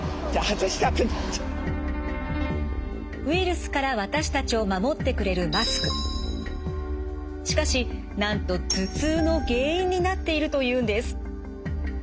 ウイルスから私たちを守ってくれるしかしなんと頭痛の原因になっているというんです。